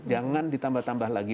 jangan ditambah tambah lagi